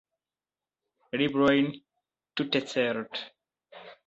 Librojn, tutcerte.